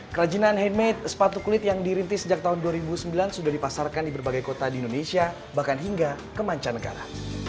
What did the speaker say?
kerajinan handmade sepatu kulit yang dirintis sejak tahun dua ribu sembilan sudah dipasarkan di berbagai kota di indonesia bahkan hingga ke mancanegara